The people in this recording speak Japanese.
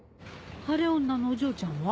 晴れ女のお嬢ちゃんは？